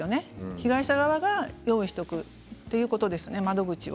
被害者側が用意しておくということです、窓口を。